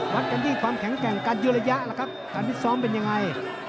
วัดกันที่ความแข็งเกี่ยวกันเหยื่อระยะละครับการพิซซ้อมเป็นอย่างไร